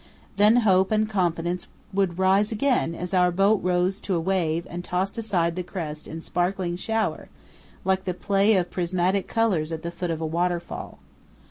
Then hope and confidence would rise again as our boat rose to a wave and tossed aside the crest in a sparkling shower like the play of prismatic colours at the foot of a waterfall.